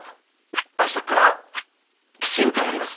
明日っからきちんとやります。